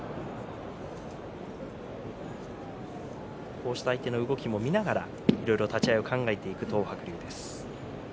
こうして相手の動きを見ながら立ち合いを考えていく東白龍です。